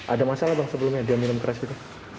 ada masalah bang sebelumnya dia minum keras itu